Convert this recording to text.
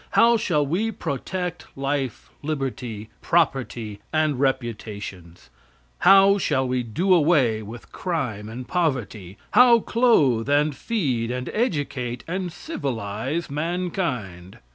How shall we protect life, liberty, property and reputations? How shall we do away with crime and poverty? How clothe, and feed, and educate, and civilize mankind?"